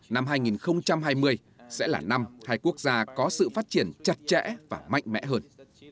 năm hai nghìn hai mươi sẽ là năm hai quốc gia có sự phát triển chặt chẽ và mạnh mẽ hơn